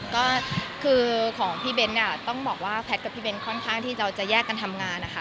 ก็คือของพี่เบ้นเนี่ยต้องบอกว่าแพทย์กับพี่เบ้นค่อนข้างที่จะแยกกันทำงานนะคะ